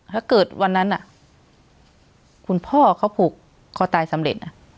ถ้าเกิดวันนั้นคุณพ่อเขาผูกคอตายสำเร็จ